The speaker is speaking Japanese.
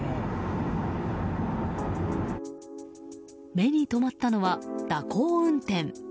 目に留まったのは、蛇行運転。